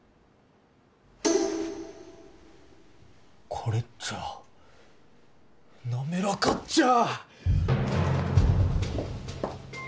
これっちゃなめらかっちゃあ！